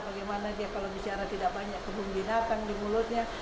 bagaimana dia kalau bicara tidak banyak kebun binatang di mulutnya